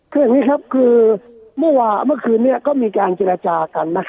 คือคือเมื่อคืนมีแกงเจรจากัน